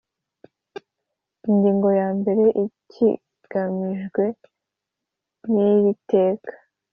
ingingo ya mbere ikigamijwe n iri teka